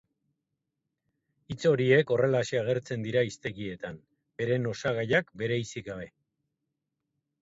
Hitz horiek horrelaxe agertzen dira hiztegietan, beren osagaiak bereizi gabe.